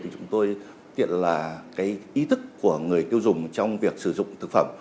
chúng tôi hiện là ý thức của người tiêu dùng trong việc sử dụng thực phẩm